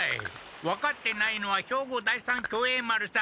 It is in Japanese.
分かってないのは兵庫第三協栄丸さん